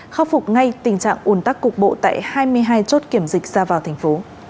khắc phục ngay tình trạng ủn tắc cục bộ tại hai mươi hai chốt kiểm dịch ra vào tp